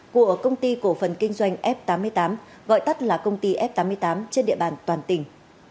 của công ty cổ phần kinh doanh f tám mươi tám gọi tắt là công ty f tám mươi tám trên địa bàn toàn tỉnh